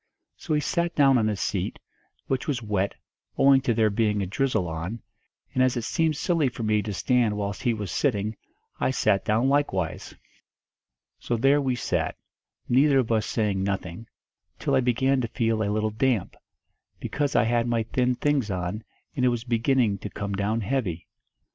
So he sat down on a seat, which was wet, owing to there being a drizzle on, and as it seemed silly for me to stand whilst he was sitting, I sat down likewise. "So there we sat, neither of us saying nothing, till I began to feel a little damp, because I had my thin things on, and it was beginning to come down heavy.